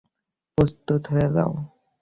প্রস্তুত হয়ে নাও।